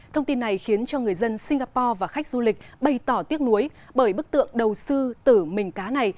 thông tin này khiến cho người dân singapore và khách du lịch bày tỏ tiếc nuối bởi bức tượng đầu sư tử mình cá này